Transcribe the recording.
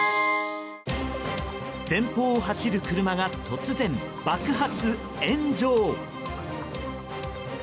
前方を走る車が突然、爆発・炎上。